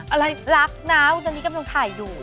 อะไรรักนะวันนี้กำลังถ่ายอยู่